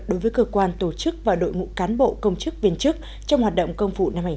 đối với cơ quan tổ chức và đội ngũ cán bộ công chức viên chức trong hoạt động công vụ năm hai nghìn hai mươi